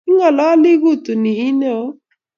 Ingololi kutuuni Ii neo